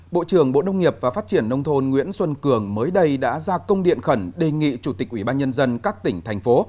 bộ trưởng bộ nông nghiệp và phát triển nông thôn nguyễn xuân cường mới đây đã ra công điện khẩn đề nghị chủ tịch ubnd các tỉnh thành phố